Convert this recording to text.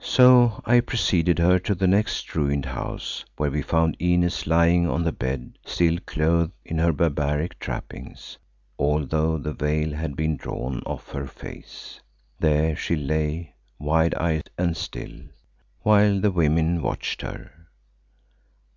So I preceded her to the next ruined house where we found Inez lying on the bed still clothed in her barbaric trappings, although the veil had been drawn off her face. There she lay, wide eyed and still, while the women watched her.